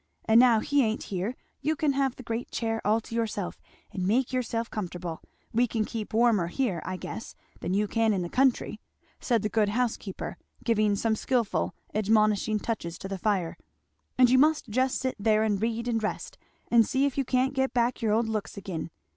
and now he ain't here you can have the great chair all to yourself and make yourself comfortable we can keep warmer here, I guess, than you can in the country," said the good housekeeper, giving some skilful admonishing touches to the fire; "and you must just sit there and read and rest, and see if you can't get back your old looks again.